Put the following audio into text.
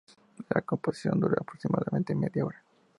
La composición dura aproximadamente media hora.